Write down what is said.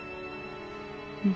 うん。